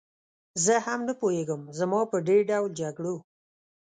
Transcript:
زه هم نه پوهېږم، زما په دې ډول جګړو.